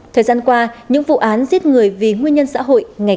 thời gian qua những vụ án giết người vì khung hình phạt cao nhất là tử hình phạt cao nhất